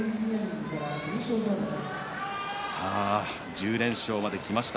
１０連勝まできました